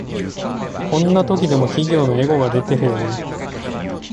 こんな時でも企業のエゴが出てるよね